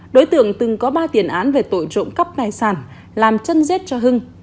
đối tượng từng có ba tiền án về tội trộm cấp đài sản làm chân giết cho hưng